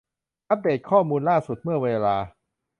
อัปเดตข้อมูลล่าสุดเมื่อเวลา